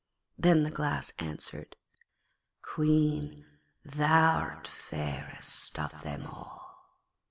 then the Glass answered, 'Queen, thou'rt fairest of them all.'